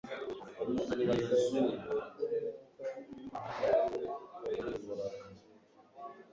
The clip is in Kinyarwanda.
dushidikanya yuko Mwuka w'Imana ari we watuyoboraga